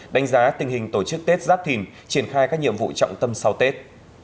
đánh giá tình hình tổ chức tết giáp thìn triển khai các nhiệm vụ trọng tâm sau tết